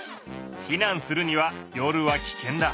避難するには夜は危険だ。